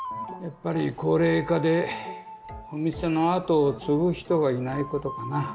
やっぱり高齢化でお店のあとをつぐ人がいないことかな。